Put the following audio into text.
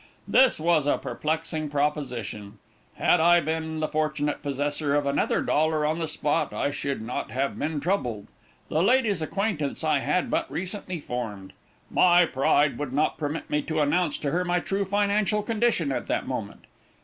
This was a perplexing position. Had I been the fortunate possessor of another dollar on the spot, I should not have been troubled. The lady's acquaintance I had but recently formed. My pride would not permit me to announce to her my true financial condition at that moment.